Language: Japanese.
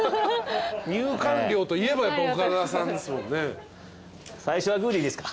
入館料といえばやっぱ岡田さんですもんね。